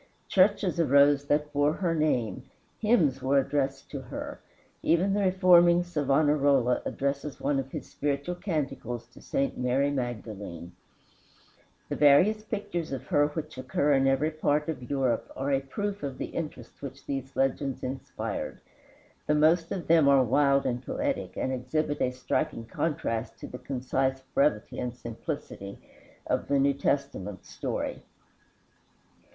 Churches arose that bore her name, hymns were addressed to her. Even the reforming Savonarola addresses one of his spiritual canticles to St. Mary Magdalene. The various pictures of her which occur in every part of Europe are a proof of the interest which these legends inspired. The most of them are wild and poetic, and exhibit a striking contrast to the concise brevity and simplicity of the New Testament story.